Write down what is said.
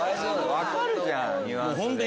分かるじゃんニュアンスで。